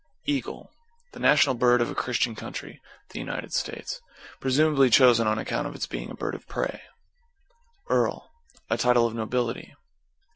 =EAGLE= The national bird of a Christian country; (the United States.) Presumably chosen on account of its being a bird of pray. =EARL= A title of nobility.